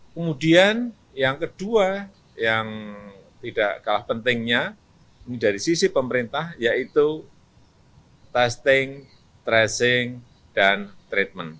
kemudian yang kedua yang tidak kalah pentingnya ini dari sisi pemerintah yaitu testing tracing dan treatment